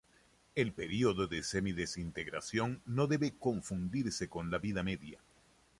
El período de semidesintegración no debe confundirse con la vida media.